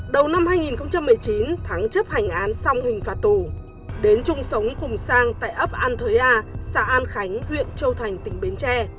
đầu năm hai nghìn một mươi chín thắng chấp hành án xong hình phạt tù đến chung sống cùng sang tại ấp an thới a xã an khánh huyện châu thành tỉnh bến tre